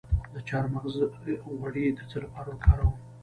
د چارمغز غوړي د څه لپاره وکاروم؟